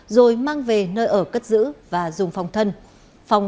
rồi mang về nơi ở cất giữ và dùng phòng thân